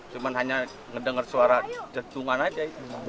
cuman hanya mendengar suara jentungan aja itu